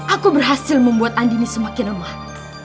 aku berhasil membuat andini semakin lemah